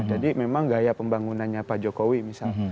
jadi memang gaya pembangunannya pak jokowi misal